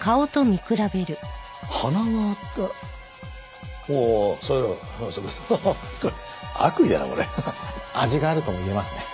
味があるとも言えますね。